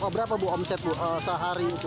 berapa bu omset bu sehari itu